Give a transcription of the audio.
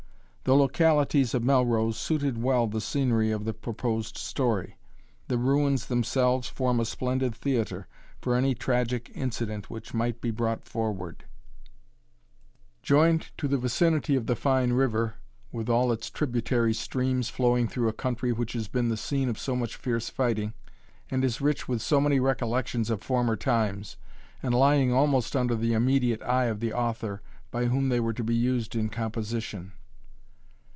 The localities of Melrose suited well the scenery of the proposed story; the ruins themselves form a splendid theatre for any tragic incident which might be brought forward; joined to the vicinity of the fine river, with all its tributary streams, flowing through a country which has been the scene of so much fierce fighting, and is rich with so many recollections of former times, and lying almost under the immediate eye of the author, by whom they were to be used in composition.